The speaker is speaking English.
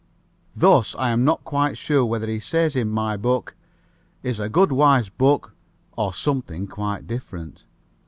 Thus, I am not quite sure whether he says my book 'is a good, wise book,' or something quite different.